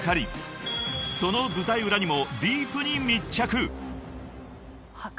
［その舞台裏にもディープに密着］